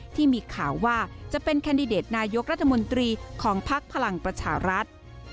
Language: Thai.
ที่มีข่าวว่าจะเป็นแคนดิเดตนายกรัฐมนตรีของภักดิ์พลังประชารัฐ